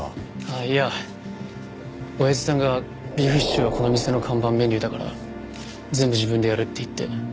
いやおやじさんがビーフシチューはこの店の看板メニューだから全部自分でやるって言って。